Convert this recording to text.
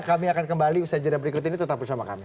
kami akan kembali usaha jadwal berikut ini tetap bersama kami